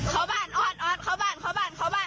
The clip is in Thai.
เข้าบ้านอ้อนออสเข้าบ้านเข้าบ้านเข้าบ้าน